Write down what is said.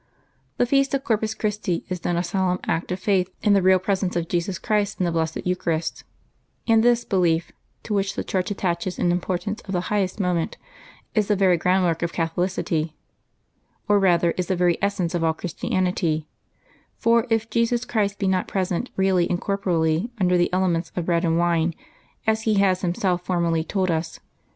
The feast of Corpus Christi is, then, a solemn act of faith in the Eeal Presence of Jesus Christ in the Blessed Eucharist; and this belief, to which the Church attaches an importance of the highest moment, is the very ground work of Catholicity, or rather is the very essence of all Christianity ; for if Jesus Christ be not present really and corporeally under the elements of bread and wine, as He has Himself formally told us.